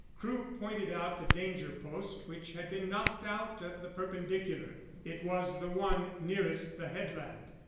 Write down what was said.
Crewe pointed out the danger post which had been knocked out of the perpendicular it was the one nearest to the headland.